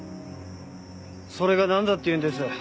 それがなんだっていうんです？